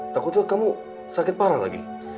takutnya kamu sakit parah lagi